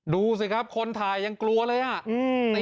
ดูสิครับคนถ่ายยังกลัวเลยอ่ะ